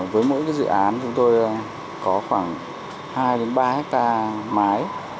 với mỗi dự án chúng tôi có khoảng hai ba hectare mái